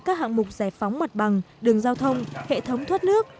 các hạng mục giải phóng mặt bằng đường giao thông hệ thống thoát nước